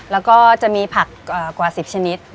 แล้วก็จะมีผักกว่า๑๐ชนิด